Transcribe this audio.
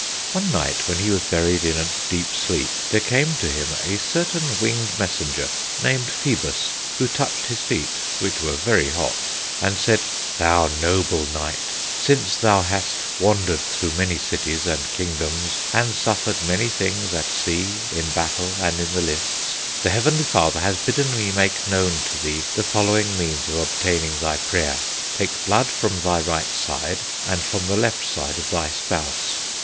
One night when he was buried in a deep sleep, there came to him a certain winged messenger, named Phoebus, who touched his feet, which were very hot, and said: 'Thou noble knight, since thou hast wandered through many cities and kingdoms and suffered many things at sea, in battle, and in the lists, the heavenly Father has bidden me make known to thee the following means of obtaining thy prayer: Take blood from thy right side, and from the left side of thy spouse.